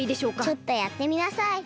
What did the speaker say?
ちょっとやってみなさい。